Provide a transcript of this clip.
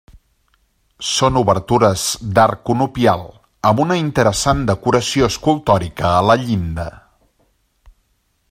Són obertures d'arc conopial amb una interessant decoració escultòrica a la llinda.